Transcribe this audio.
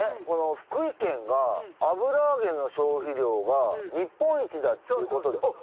この福井県が油揚げの消費量が日本一だっていうことで。